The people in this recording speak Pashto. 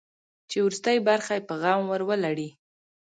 چې وروستۍ برخه یې په غم ور ولړي.